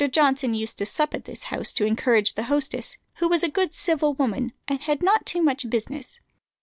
Johnson used to sup at this house to encourage the hostess, who was a good civil woman, and had not too much business.